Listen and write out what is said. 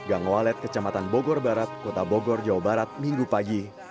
gang walet kecamatan bogor barat kota bogor jawa barat minggu pagi